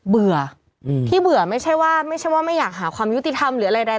เบื่อที่เบื่อไม่ใช่ว่าไม่ใช่ว่าไม่อยากหาความยุติธรรมหรืออะไรใด